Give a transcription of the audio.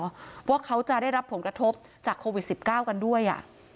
เพราะว่าเขาจะได้รับผลกระทบจากโควิด๑๙กันด้วย